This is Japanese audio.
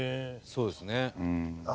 そうですね。